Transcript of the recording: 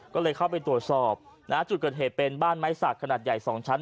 ก็เลยเข้าไปตรวจสอบนะจุดเกิดเหตุเป็นบ้านไม้สักขนาดใหญ่๒ชั้น